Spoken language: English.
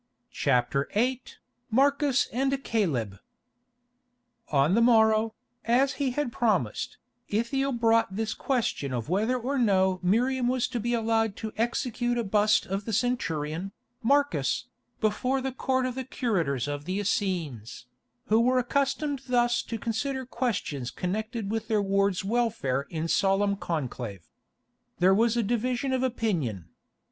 CHAPTER VIII MARCUS AND CALEB On the morrow, as he had promised, Ithiel brought this question of whether or no Miriam was to be allowed to execute a bust of the centurion, Marcus, before the Court of the Curators of the Essenes, who were accustomed thus to consider questions connected with their ward's welfare in solemn conclave. There was a division of opinion.